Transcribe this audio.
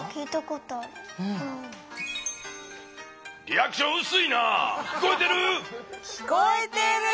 リアクションうすいな。